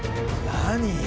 何？